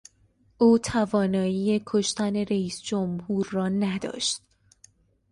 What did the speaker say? او توانایی کشتن رییس جمهور را نداشت.